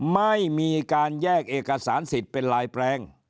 ไม่มีการแยกเอกสารสิทธิ์เป็นลายแปลง